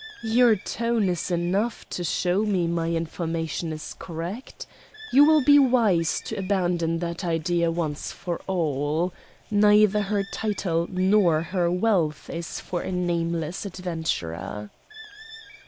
"Your tone is enough to show me my information is correct. You will be wise to abandon that idea once for all. Neither her title nor her wealth is for a nameless adventurer."